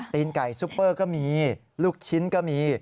ไก่ซุปเปอร์ก็มีลูกชิ้นก็มี